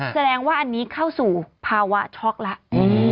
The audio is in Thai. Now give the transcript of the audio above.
แสดงว่าอันนี้เข้าสู่ภาวะช็อกแล้ว